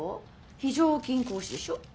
非常勤講師でしょ？